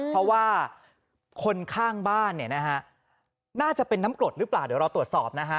เพราะว่าคนข้างบ้านเนี่ยนะฮะน่าจะเป็นน้ำกรดหรือเปล่าเดี๋ยวเราตรวจสอบนะฮะ